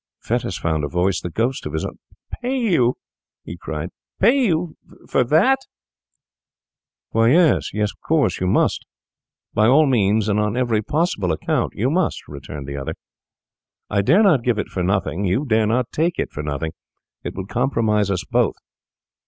Fettes found a voice, the ghost of his own: 'Pay you!' he cried. 'Pay you for that?' 'Why, yes, of course you must. By all means and on every possible account, you must,' returned the other. 'I dare not give it for nothing, you dare not take it for nothing; it would compromise us both.